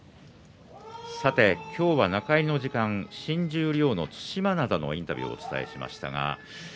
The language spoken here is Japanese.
今日は中入りの時間新十両の對馬洋のインタビューをお伝えしました。